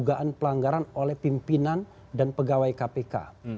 dugaan pelanggaran oleh pimpinan dan pegawai kpk